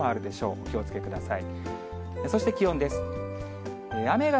お気をつけください。